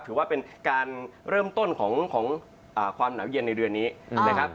ถือว่าเป็นการเริ่มต้นของความหนาวเย็นในเดือนนี้นะครับ